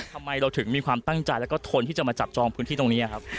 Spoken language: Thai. ทำไมเราถึงมีความตั้งใจแล้วก็ทนที่จะมาจับจองพื้นที่ตรงนี้ครับ